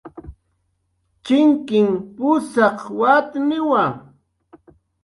Chinkin pusaq watniwa